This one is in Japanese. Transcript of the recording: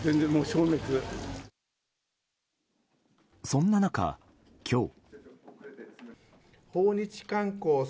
そんな中、今日。